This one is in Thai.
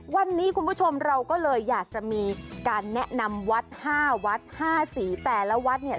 วันนี้คุณผู้ชมเราก็เลยอยากจะมีการแนะนำวัด๕วัด๕สีแต่ละวัดเนี่ย